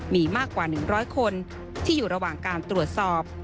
มีมากกว่า๑๐๐คนที่อยู่ระหว่างการตรวจสอบ